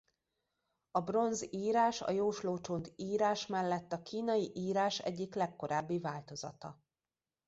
A bronz-írás a jóslócsont-írás mellett a kínai írás egyik legkorábbi változata.